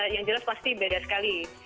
yang jelas pasti beda sekali